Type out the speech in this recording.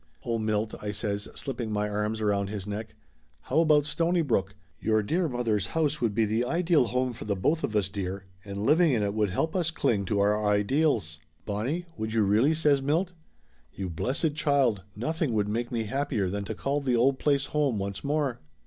"Oh, Milt!" I says, slipping my arms around his neck. "How about Stonybrook? Your dear mother's house would be the ideal home for the both of us, dear, and living in it would help us cling to our ideals !" "Bonnie! Would you, really?" says Milt. "You blessed child, nothing would make me happier than to call the old place home once more